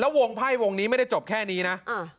วงไพ่วงนี้ไม่ได้จบแค่นี้นะ